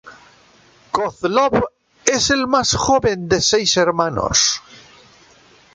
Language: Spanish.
Kozlov es el más joven de seis hermanos.